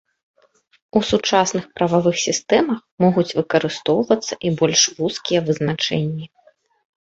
У сучасных прававых сістэмах могуць выкарыстоўвацца і больш вузкія вызначэнні.